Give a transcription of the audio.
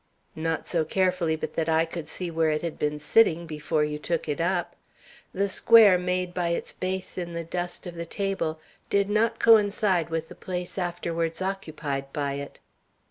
"Not so carefully but that I could see where it had been sitting before you took it up: the square made by its base in the dust of the table did not coincide with the place afterwards occupied by it."